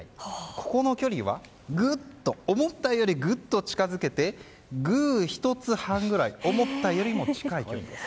ここの距離は思ったよりグッと近づけてグー１つ半ぐらい思ったより近い距離です。